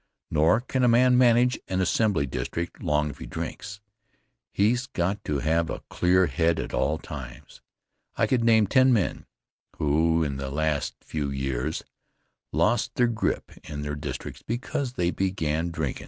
Nor can a man manage an assembly district long if he drinks. He's got to have a clear head all the time. I could name ten men who, in the last few years lost their grip in their districts because they began drinkin'.